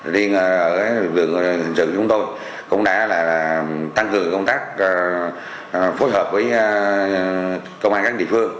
liên ở lực lượng hình sự chúng tôi cũng đã tăng cường công tác phối hợp với công an các địa phương